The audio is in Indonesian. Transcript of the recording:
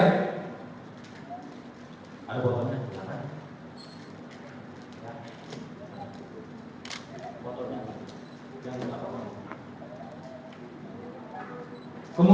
di sisi sebelah kiri